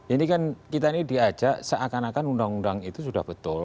ini kan kita ini diajak seakan akan undang undang itu sudah betul